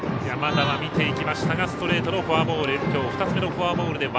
山田は見ていきましたがストレートのフォアボール。